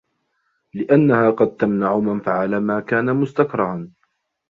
لِأَنَّهَا قَدْ تَمْنَعُ مَنْ فَعَلَ مَا كَانَ مُسْتَكْرَهًا